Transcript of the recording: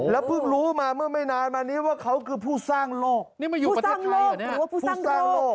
แล้วพึ่งรู้มาเมื่อไม่นานมานี้ว่าเขาคือผู้สร้างโลกผู้สร้างโลกหรือว่าผู้สร้างโลกคะ